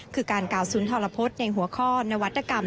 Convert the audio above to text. คือการเก่าศูนย์ทรพสในหัวข้อนวัตกรรม